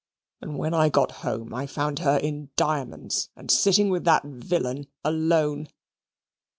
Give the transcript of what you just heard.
And when I got home I found her in diamonds and sitting with that villain alone."